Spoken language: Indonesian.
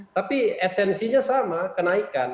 tapi esensinya sama kenaikan